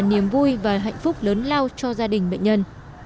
niềm vui và hạnh phúc lớn lao cho gia đình bệnh nhân